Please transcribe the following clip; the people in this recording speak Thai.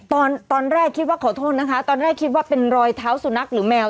ตอนแรกคิดว่าขอโทษนะคะตอนแรกคิดว่าเป็นรอยเท้าสุนัขหรือแมว